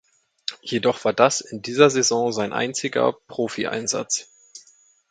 Jedoch war das in dieser Saison sein einziger Profieinsatz.